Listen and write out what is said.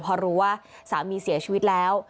พอรู้ว่าสามีเสียชีวิตแล้ว